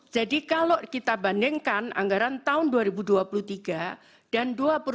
jadi kalau kita bandingkan anggaran tahun dua ribu dua puluh tiga dan dua ribu dua puluh empat